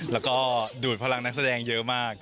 แล้วก็ดูดพลังนักแสดงเยอะมาก